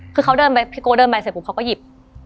คือเขาเดินไปพี่โก้เดินไปเสร็จปุ๊บเขาก็หยิบ